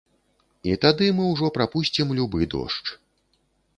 І тады мы ўжо прапусцім любы дождж.